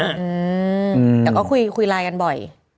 แต่ก็คุยไลน์กันบ่อย